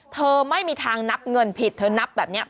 เธอไม่มีทางนับเงินผิดเธอนับแบบนี้